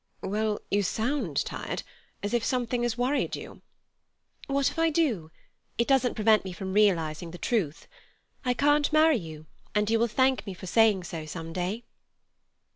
"Well, you sound tired, as if something has worried you." "What if I do? It doesn't prevent me from realizing the truth. I can't marry you, and you will thank me for saying so some day."